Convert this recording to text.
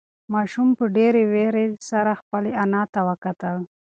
ماشوم په ډېرې وېرې سره خپلې انا ته وکتل.